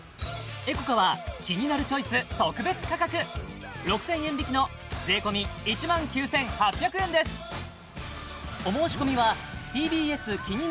ＥｃｏＣａは「キニナルチョイス」特別価格６０００円引きの税込１万９８００円です酸辣湯